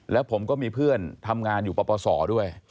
แล้วผมก็มีเพื่อนทำงานอยู่ปปศด้วย